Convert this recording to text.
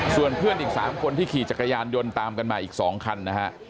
ส่วนเพื่อนอีก๓คนที่ขี่จักรยานยนต์ตามกันมาอีก๒คันนะฮะ